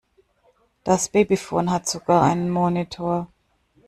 Das Babyphon hat sogar einen Monitor.